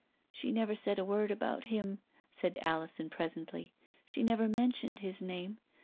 " She never said a word about him," said Alison presently, "she never mentioned his name.